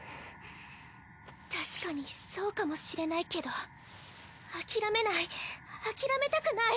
確かにそうかもしれないけど諦めない諦めたくない。